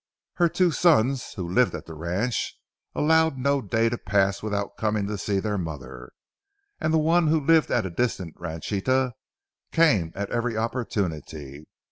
Her two sons who lived at the ranch, allowed no day to pass without coming to see their mother, and the one who lived at a distant ranchita came at every opportunity.